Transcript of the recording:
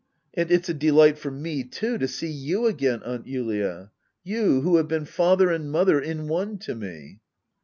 And it's a delight for me, too, to see you again^ Aunt Julia ! You, who have been father and mother in one to me.